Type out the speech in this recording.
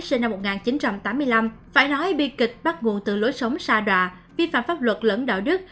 sinh năm một nghìn chín trăm tám mươi năm phải nói bi kịch bắt nguồn từ lối sống xa đoà vi phạm pháp luật lẫn đạo đức